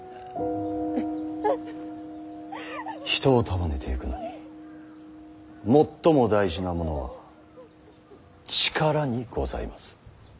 人を束ねてゆくのに最も大事なものは力にございます。